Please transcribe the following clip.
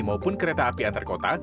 maupun kereta api antar kota